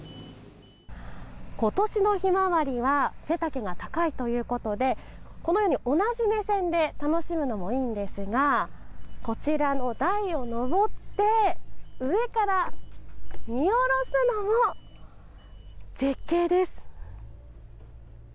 今年のヒマワリは背丈が高いということでこのように同じ目線で楽しむのもいいんですがこちらの台を上って上から見下ろすのも絶景です。